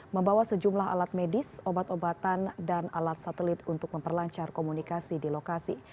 membawa sejumlah alat medis obat obatan dan alat satelit untuk memperlancar komunikasi di lokasi